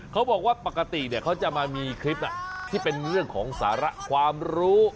เขาบอกว่าปกติเขาจะมามีคลิปที่เป็นเรื่องของสาระความรู้